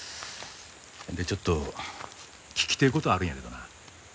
ほんでちょっと聞きてえ事あるんやけどな。